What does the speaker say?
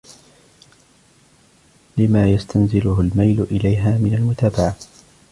لِمَا يَسْتَنْزِلُهُ الْمَيْلُ إلَيْهَا مِنْ الْمُتَابَعَةِ